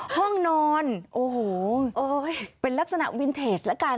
ห้องนอนโอ้โหเป็นลักษณะวินเทจละกัน